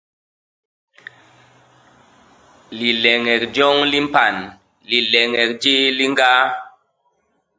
Lileñek joñ li mpan; lileñek jéé li ñgaa;